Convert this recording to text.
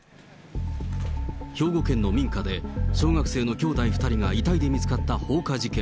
兵庫県の民家で、小学生の兄弟２人が遺体で見つかった放火事件。